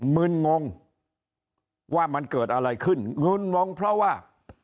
มึนงงว่ามันเกิดอะไรขึ้นงึนงงเพราะว่า